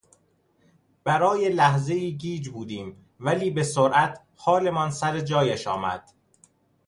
برای لحظهای گیج بودیم ولی به سرعت حالمان سرجایش آمد.